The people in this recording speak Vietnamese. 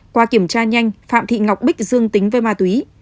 qua kiểm tra nhanh phạm thị ngọc bích dương tính với ma túy